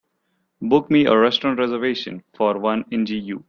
Book me a restaurant reservation for one in GU